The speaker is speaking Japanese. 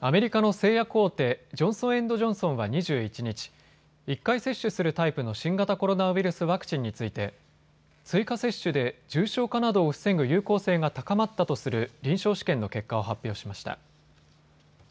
アメリカの製薬大手、ジョンソン・エンド・ジョンソンは２１日、１回接種するタイプの新型コロナウイルスワクチンについて追加接種で重症化などを防ぐ有効性が高まったとする臨床試験の結果を発表しました。